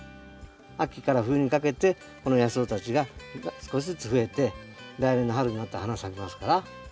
秋から冬にかけてこの野草たちが少しずつ増えて来年の春になったら花咲きますから。